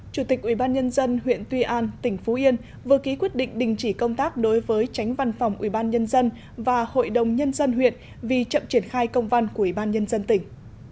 chủ tịch ubnd huyện tuy an tỉnh phú yên vừa ký quyết định đình chỉ công tác đối với tránh văn phòng ubnd và hội đồng nhân dân huyện vì chậm triển khai công văn của ubnd tỉnh